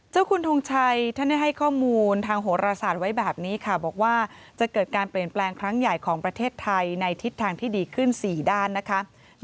คุณทงชัยท่านได้ให้ข้อมูลทางโหรศาสตร์ไว้แบบนี้ค่ะบอกว่าจะเกิดการเปลี่ยนแปลงครั้งใหญ่ของประเทศไทยในทิศทางที่ดีขึ้น๔ด้านนะคะ